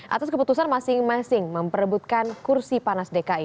atas keputusan masing masing memperebutkan kursi panas dki